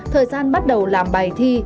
thời gian bắt đầu làm bài thi